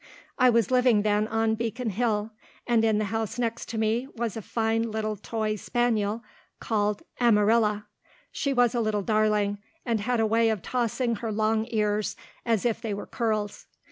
I was living then on Beacon Hill, and in the house next to me was a fine little toy spaniel called Amarilla. She was a little darling, and had a way of tossing her long ears as if they were curls.